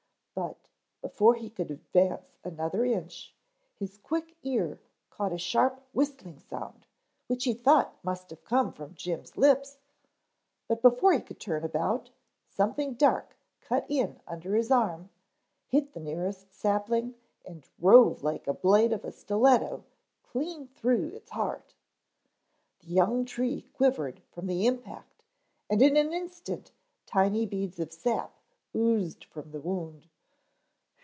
But, before he could advance another inch, his quick ear caught a sharp whistling sound which he thought must have come from Jim's lips, but before he could turn about, something dark cut in under his arm, hit the nearest sapling and drove like the blade of a stiletto clean through its heart. The young tree quivered from the impact and in an instant tiny beads of sap oozed from the wound.